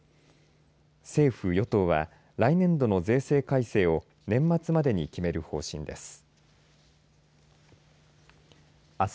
政府与党は来年度の税制改正を年末までに決める方針です。